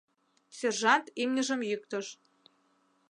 Сержант имньыжым йӱктыш.